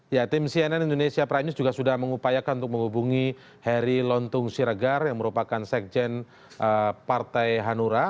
ya tim cnn indonesia prime news juga sudah mengupayakan untuk menghubungi heri lontung siregar yang merupakan sekjen partai hanura